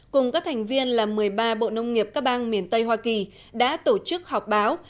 cùng các thành viên là một mươi ba bộ nông nghiệp các bang miền tây hoa kỳ đã tổ chức họp báo